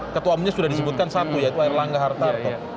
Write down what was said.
ketua umumnya sudah disebutkan satu yaitu erlangga hartarto